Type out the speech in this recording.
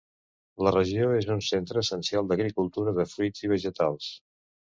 La regió és un centre essencial d'agricultura de fruits i vegetals.